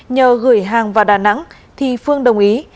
nhờ gửi hàng vào đà nẵng thì phương đồng ý